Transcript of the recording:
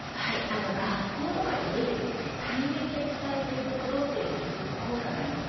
学校とか家で対面で伝えていくことというのはすごく効果があります。